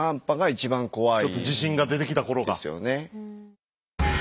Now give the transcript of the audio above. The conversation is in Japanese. ちょっと自信が出てきた頃が？ですよね。